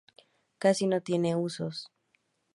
Casi no tiene usos.